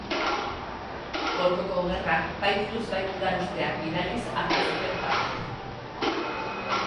Golkoko Gerran, bai diruz, bai gudarosteak bidaliz, hartu zuten parte.